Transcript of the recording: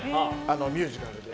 ミュージカルで。